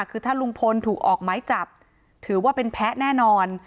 คือถ้าลุงพลถูกออกไม้จับถือว่าเป็นแพ้แน่นอน